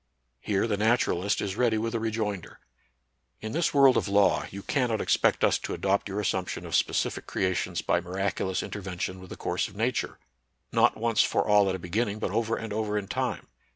Here the naturalist is ready with a rejoinder: In this world of law jow cannot expect us to adopt your assumption of specific creations by NATURAL SCIENCE AND RELIGION. 63 miraculous intervention with the course of Na ture, not once for all at a beginning, but over and over in time.